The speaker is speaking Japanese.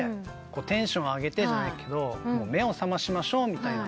テンションを上げてじゃないけど目を覚ましましょうみたいな。